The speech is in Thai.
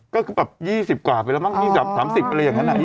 ก็คือแบบ๒๐กว่าไปแล้วมั้ง๒๐๓๐อะไรอย่างนั้น